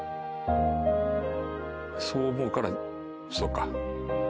そう思うからそうか。